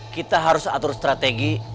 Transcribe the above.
kita harus atur strategi